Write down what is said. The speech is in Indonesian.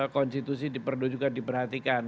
konstitusi diperlu juga diperhatikan